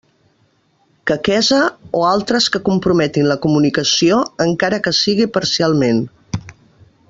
Quequesa o altres que comprometin la comunicació, encara que sigui parcialment.